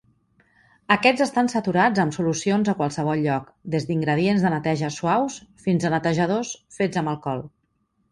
Aquests estan saturats amb solucions a qualsevol lloc, des d'ingredients de neteja suaus fins a "netejadors" fets amb alcohol.